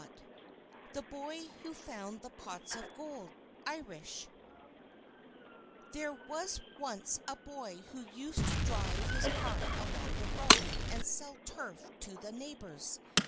_ THE BOY WHO FOUND THE POTS OF GOLD From Ireland There was once a poor boy who used to drive his cart along the road, and sell turf to the neighbours.